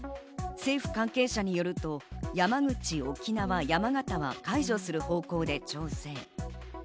政府関係者によると山口、沖縄、山形は解除する方向で調整。